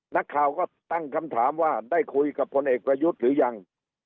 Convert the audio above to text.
นักข่าวก็ตั้งคำถามว่าได้คุยกับพลเอกประยุทธ์หรือยัง